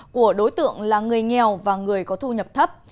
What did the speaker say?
của đối tượng là người nghèo và người có thu nhập thấp